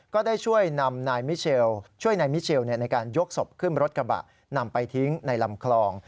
ก็ได้ช่วยนายมิเชลในการยกษบขึ้มรถกระบะนำไปทิ้งในลำคลอง